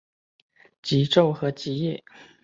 极昼和极夜。